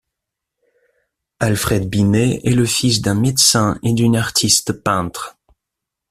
Alfred Binet est le fils d'un médecin et d'une artiste-peintre.